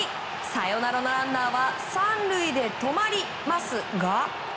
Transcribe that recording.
サヨナラのランナーは３塁で止まりますが。